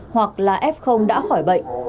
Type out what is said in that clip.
hoặc là f đã khỏi bệnh